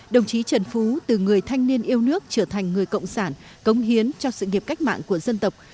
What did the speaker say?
đồng chí trần phú từ người thanh niên yêu nước trở thành người cộng sản cống hiến cho sự nghiệp cách mạng của dân tộc